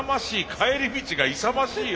帰り道が勇ましいよ